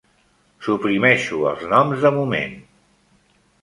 Suprimeixo els noms de moment.